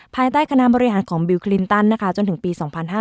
ภายใต้คณะบริหารของบิลคลินตันนะคะจนถึงปี๒๕๕๙